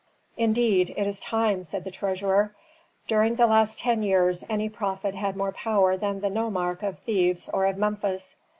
"Indeed it is time," said the treasurer. "During the last ten years any prophet had more power than the nomarch of Thebes or of Memphis."